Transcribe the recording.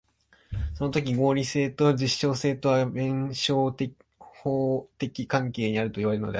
そのとき合理性と実証性とは弁証法的関係にあるといわれるのである。